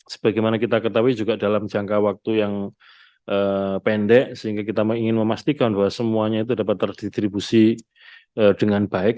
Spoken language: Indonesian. sebagaimana kita ketahui juga dalam jangka waktu yang pendek sehingga kita ingin memastikan bahwa semuanya itu dapat terdistribusi dengan baik